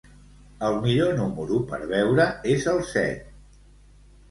El millor número per beure és el set.